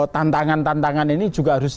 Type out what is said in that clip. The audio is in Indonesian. tantangan tantangan ini juga harus